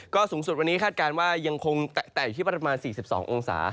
ก็สูงสุดวันนี้คาดการณ์ว่ายังคงแตะอยู่ที่ประมาณ๔๒องศา